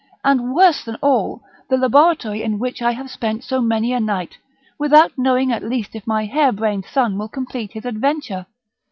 and, worse than all, the laboratory in which I have spent so many a night, without knowing at least if my hair brained son will complete his adventure?